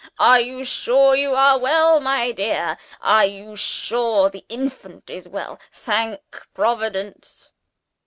Are you sure you are well, my dear? are you sure the infant is well? Thank Providence!